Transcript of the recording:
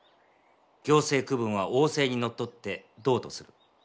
行政区分は王政にのっとって「道」とする。